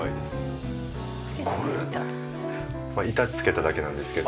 板付けただけなんですけど。